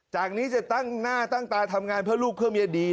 จากนี้จะตั้งหน้าตั้งตาทำงานเพื่อลูกเพื่อเมียดี